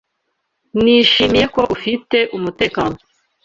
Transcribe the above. Nishimiye ko ufite umutekano.